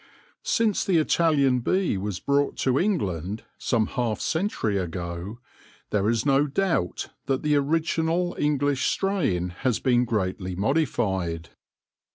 Since the Italian bee was brought to England, some half century ago, there is no doubt that the original English strain has been greatly modified.